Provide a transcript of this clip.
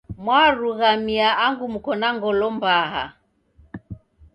Mwarughamia angu muko na ngolo mbaha